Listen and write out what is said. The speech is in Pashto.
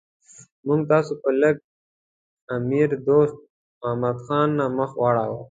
موږ ستاسو په لیک امیر دوست محمد خان نه مخ واړاو.